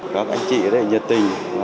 các anh chị ở đây nhiệt tình